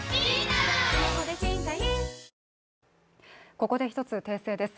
ここで一つ訂正です。